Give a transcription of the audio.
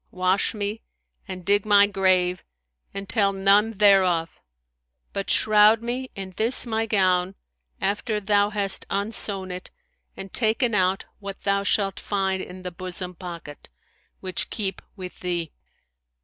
Wash me and dig my grave and tell none thereof: but shroud me in this my gown, after thou hast unsewn it and taken out what thou shalt find in the bosom pocket, which keep with thee.